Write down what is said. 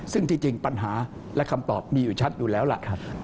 ซึ่งที่จริงปัญหาและคำตอบมีอยู่ชัดอยู่แล้วล่ะครับ